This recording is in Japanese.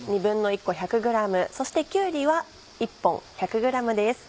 そしてきゅうりは１本１００ｇです。